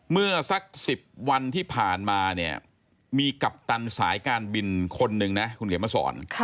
เมื่อสัก๑๐วันที่ผ่านมาเนี่ยมีกัปตันสายการบินคนหนึ่งนะคุณเขียนมาสอน